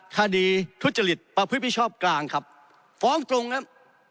คดีทุจริตประพฤติมิชอบกลางครับฟ้องตรงครับ